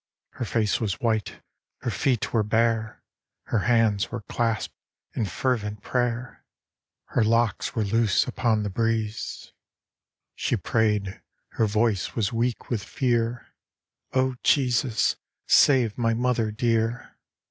Her face was white, her feet were bare ; Her hands were clasped in fervent prayer Her locks were loose upon the breeze. THE WOOD DEMON. 15 She prayed, her voice was weak with fear :" O Jesus, save my mother dear